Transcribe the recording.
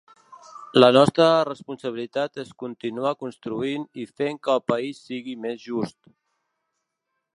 La nostra responsabilitat és continuar construint i fent que el país sigui més just.